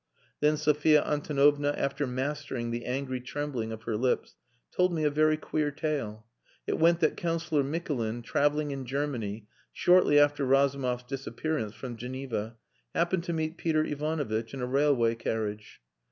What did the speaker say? Then Sophia Antonovna, after mastering the angry trembling of her lips, told me a very queer tale. It went that Councillor Mikulin, travelling in Germany (shortly after Razumov's disappearance from Geneva), happened to meet Peter Ivanovitch in a railway carriage.